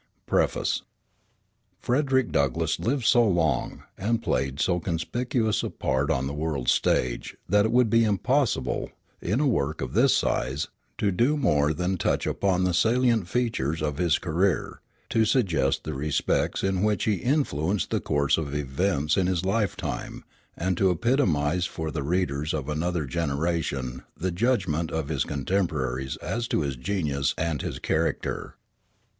Preface Frederick Douglass lived so long, and played so conspicuous a part on the world's stage, that it would be impossible, in a work of the size of this, to do more than touch upon the salient features of his career, to suggest the respects in which he influenced the course of events in his lifetime, and to epitomize for the readers of another generation the judgment of his contemporaries as to his genius and his character.